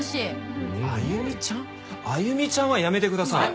「歩ちゃん」はやめてください。